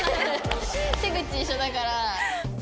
手口一緒だから。